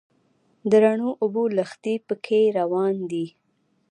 د رڼو اوبو لښتي په کې روان دي.